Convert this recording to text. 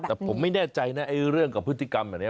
แต่ผมไม่แน่ใจนะเรื่องกับพฤติกรรมแบบนี้